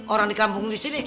orang di kampung disini